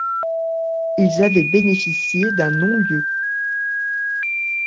Ils avaient bénéficié d'un non-lieu.